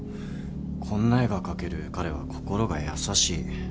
こんな絵が描ける彼は心が優しい。